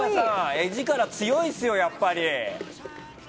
絵力強いですよ、やっぱり。